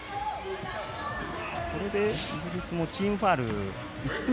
これでイギリスもチームファウル５つ目。